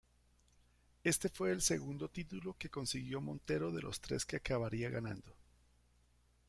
Éste fue el segundo título que consiguió Montero de los tres que acabaría ganando.